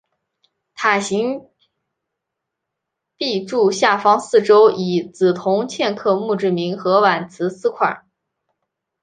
塔形碑柱下方四周以紫铜嵌刻墓志铭和挽词四块。